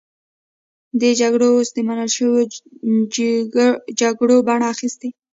دې جګړو اوس د منل شویو جګړو بڼه اخیستې.